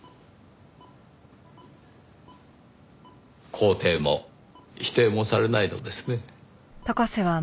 肯定も否定もされないのですね。